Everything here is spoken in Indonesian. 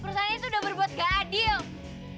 perusahaan ini tuh udah berbuat gak adil